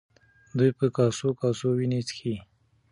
دوی په کاسو کاسو وینې څښي.